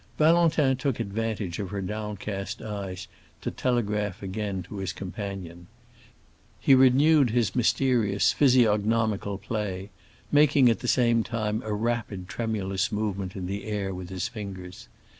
Valentin took advantage of her downcast eyes to telegraph again to his companion. He renewed his mysterious physiognomical play, making at the same time a rapid tremulous movement in the air with his fingers.